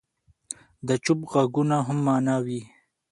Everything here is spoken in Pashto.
د چوپ ږغونو هم معنی وي.